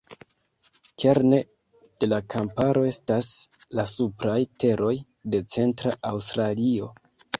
Kerne de la kamparo estas la supraj teroj de centra Aŭstralio.